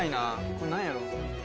これ何やろう？